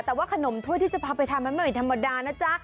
แต่ว่าขนมถ้วยที่จะพาไปทำมันไม่ธรรมดานะจ๊ะ